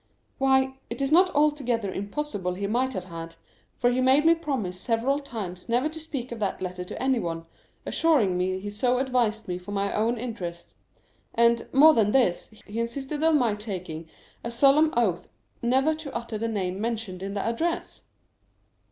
"Why, it is not altogether impossible he might have had, for he made me promise several times never to speak of that letter to anyone, assuring me he so advised me for my own interest; and, more than this, he insisted on my taking a solemn oath never to utter the name mentioned in the address."